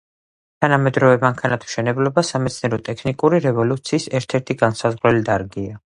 თანამედროვე მანქანათმშენებლობა სამეცნიერო–ტექნიკური რევოლუციის ერთ–ერთი განმსაზღვრელი დარგია.